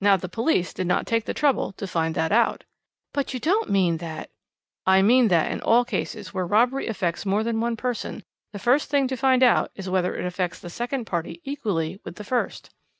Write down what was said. "Now, the police did not take the trouble to find that out." "But you don't mean that " "I mean that in all cases where robbery affects more than one person the first thing to find out is whether it affects the second party equally with the first.